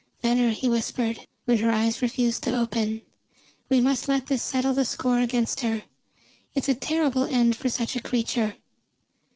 "Venner," he whispered, when her eyes refused to open, "we must let this settle the score against her. It's a terrible end for such a creature."